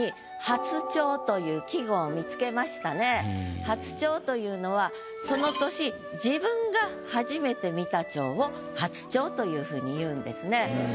あの「初蝶」というのはその年自分がはじめて見た蝶を初蝶というふうにいうんですね。